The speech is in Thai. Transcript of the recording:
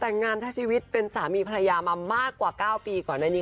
แต่งงานถ้าชีวิตเป็นสามีภรรยามามากกว่า๙ปีก่อนในนี้